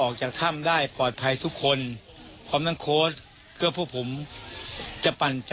คือถ้าเราท้อก็ไม่ได้ข้างนอกนอกจบภารกิจ